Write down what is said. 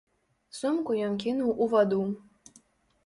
Сумку ён кінуў у ваду.